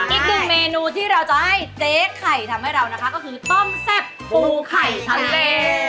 อีกหนึ่งเมนูที่เราจะให้เจ๊ไข่ทำให้เรานะคะก็คือต้มแซ่บปูไข่ทะเล